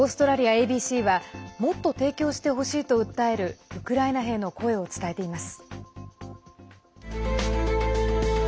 ＡＢＣはもっと提供してほしいと訴えるウクライナ兵の声を伝えています。